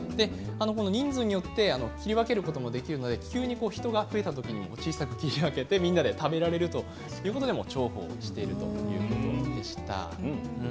人数によって切り分けることもできるので急に人が増えたときに小さく切り分けてみんなで食べられるということで重宝しているということです。